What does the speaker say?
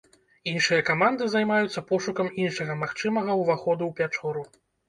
Іншыя каманды займаюцца пошукам іншага магчымага ўваходу ў пячору.